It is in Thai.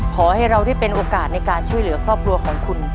ขอให้เราได้เป็นโอกาสในการช่วยเหลือครอบครัวของคุณ